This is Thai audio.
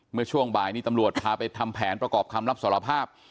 เมื่อช่วงบ่ายนี้ตำรวจพาไปทำแผนประกอบคำรับสารภาพ